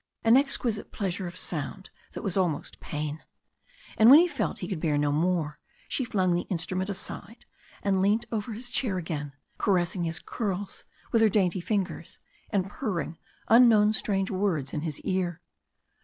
An exquisite pleasure of sound that was almost pain. And when he felt he could bear no more, she flung the instrument aside, and leant over his chair again caressing his curls with her dainty fingers, and purring unknown strange words in his ear.